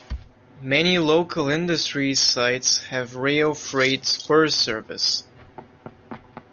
Many local industrial sites have rail freight spur service.